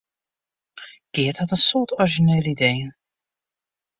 Geart hat in soad orizjinele ideeën.